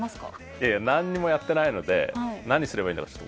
いやいや何にもやってないので何すればいいんだろう？